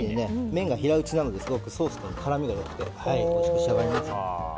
麺が平打ちなのでソースとの絡みがよくておいしく仕上がります。